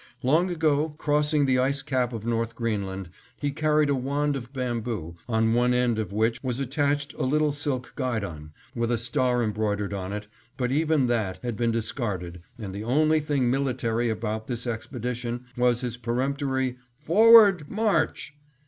Long ago, crossing the ice cap of North Greenland, he carried a wand of bamboo, on one end of which was attached a little silk guidon, with a star embroidered on it, but even that had been discarded and the only thing military about this expedition was his peremptory "Forward! March!"